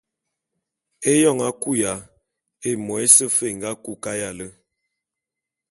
Eyoñ a kuya, émo ése fe é kuya kayale.